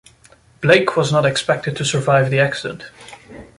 Blake was not expected to survive the accident.